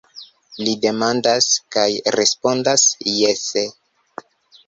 Li demandas – kaj respondas jese.